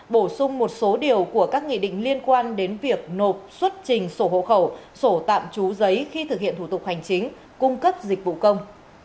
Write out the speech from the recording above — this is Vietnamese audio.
bổ sung một số điều của các nghị định liên quan đến việc nộp xuất trình sổ hộ khẩu sổ tạm trú giấy khi thực hiện thủ tục hành chính cung cấp dịch vụ công